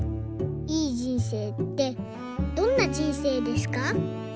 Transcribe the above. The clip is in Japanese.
いい人生ってどんな人生ですか？」。